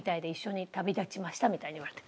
みたいに言われて。